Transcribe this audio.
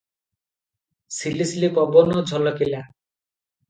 ସିଲି ସିଲି ପବନ ଝଲକିଲା ।